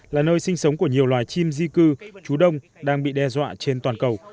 là nơi sinh sống của nhiều loài chim di cư trú đông đang bị đe dọa trên toàn cầu